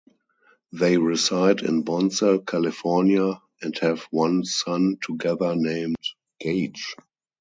They reside in Bonsall, California, and have one son together named Gage.